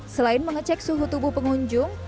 selain mengecek suhu tubuh pengunjung